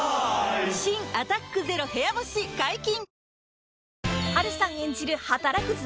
新「アタックＺＥＲＯ部屋干し」解禁‼・